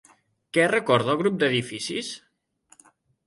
Què recorda el grup d'edificis?